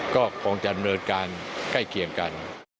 ก็คงจะดำเนินการใกล้เคียงกัน